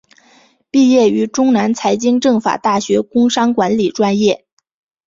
毕业于中南财经政法大学工商管理专业。